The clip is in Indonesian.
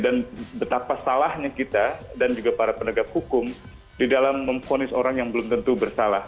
dan betapa salahnya kita dan juga para penegak hukum di dalam mempunis orang yang belum tentu bersalah